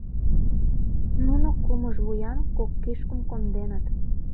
Нуно кумыжвуян кок кишкым конденыт.